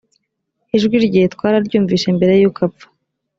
ijwi rye twararyumvishe mbere yuko apfa